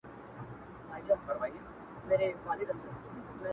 اوس به څوك د جلالا ګودر ته يوسي٫